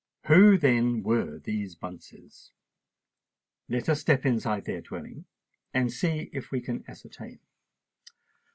Who, then, were these Bunces? Let us step inside their dwelling, and see if we can ascertain.